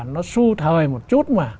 nó su thời một chút mà